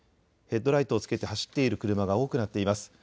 ヘッドライトをつけて走っている車が多くなっています。